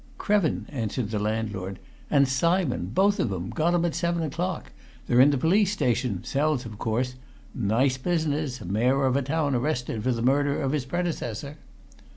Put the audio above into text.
"Krevin," answered the landlord. "And Simon! Both of 'em. Got 'em at seven o'clock. They're in the police station cells of course. Nice business Mayor of a town arrested for the murder of his predecessor!"